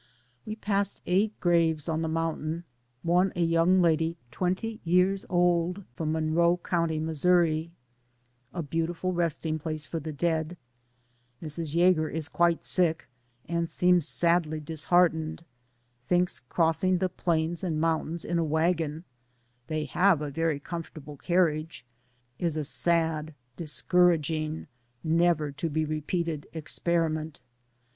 We passed eight graves on the mountain, one a young lady twenty years old from Monroe County, Missouri. A beautiful resting place for the dead. Mrs. Yager is quite sick, and seems sadly disheartened. 232 DAYS ON THE ROAD. Thinks crossing the plains and mountains in a wagon (they have a very comfortable car riage) is a sad, discouraging, never to be repeated experiment.